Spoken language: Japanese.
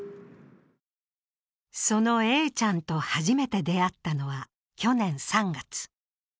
そのＡちゃんと初めて出会ったのは去年３月。